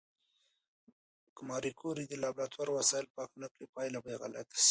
که ماري کوري د لابراتوار وسایل پاک نه کړي، پایله به غلطه شي.